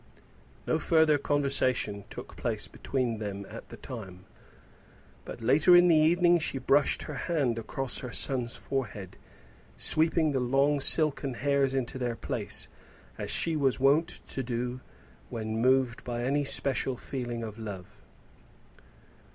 No further conversation took place between them at the time, but later in the evening she brushed her hand across her son's forehead, sweeping the long silken hairs into their place, as she was wont to do when moved by any special feeling of love.